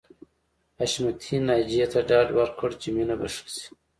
حشمتي ناجیې ته ډاډ ورکړ چې مينه به ښه شي